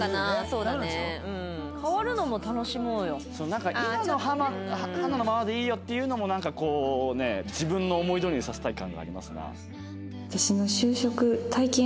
なんか今の花のままでいいよっていうのもなんかこうね自分の思いどおりにさせたい感がありますな。